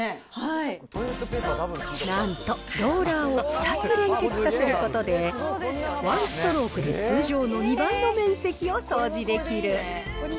なんと、ローラーを２つ連結させることで、ワンストロークで通常の２倍の面積を掃除できる。